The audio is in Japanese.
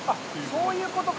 そういうことか。